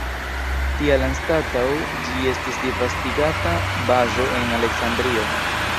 Tial anstataŭ ĝi estis disvastigata bazo en Aleksandrio.